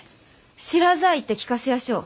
知らざあ言って聞かせやしょう。